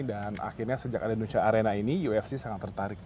dan akhirnya sejak ada indonesia arena ini ufc sangat tertarik